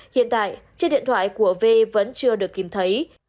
hiện tại chiếc điện thoại của v vẫn chưa được tìm thấy